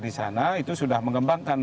di sana itu sudah mengembangkan